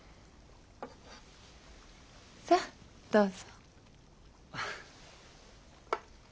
さっどうぞ。